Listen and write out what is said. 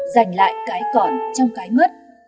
giành lại cái còn trong cái mất